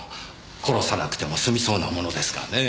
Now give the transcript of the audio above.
殺さなくても済みそうなものですがねぇ。